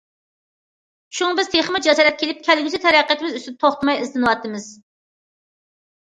شۇڭا، بىز تېخىمۇ جاسارەتكە كېلىپ، كەلگۈسى تەرەققىياتىمىز ئۈستىدە توختىماي ئىزدىنىۋاتىمىز.